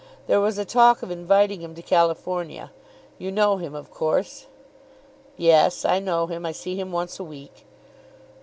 There was a talk of inviting him to California. You know him of course?" "Yes; I know him. I see him once a week."